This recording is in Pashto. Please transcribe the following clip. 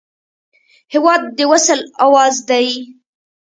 هېواد د وصل اواز دی.